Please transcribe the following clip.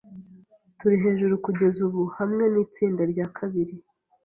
Turi hejuru kugeza ubu hamwe nitsinda rya kabiri